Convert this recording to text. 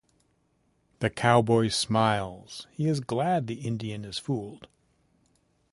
The cowboy smiles, he is glad the Indian is fooled.